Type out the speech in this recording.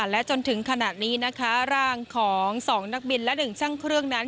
และจนถึงขณะนี้นะคะร่างของ๒นักบินและ๑ช่างเครื่องนั้น